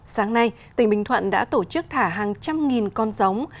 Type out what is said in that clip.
sáng nay tỉnh bình thuận đã tổ chức thả hàng trăm nghìn con giống